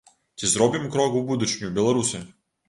Ці зробім крок у будучыню, беларусы?